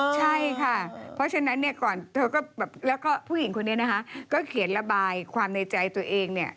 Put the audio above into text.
เพราะฉะนั้นเพือหญิงคนนี้ก็เขียนละบายความในใจตัวเอง